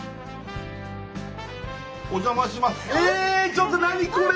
ちょっと何これ！